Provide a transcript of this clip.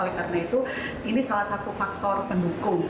oleh karena itu ini salah satu faktor pendukung